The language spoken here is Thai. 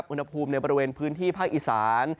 อุณหภูมิในบริเวณพื้นที่ภาคอีสาน